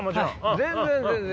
全然全然！